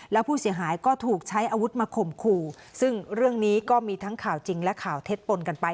แล้วผู้เสียหายก็ถูกใช้อาวุธมาข่มขู่ซึ่งเรื่องนี้ก็มีทั้งข่าวจริงและข่าวเท็จปนกันไป